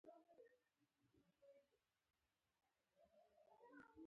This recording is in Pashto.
اکروپولیس د ښار تر ټولو لوړې برخې ته وایي.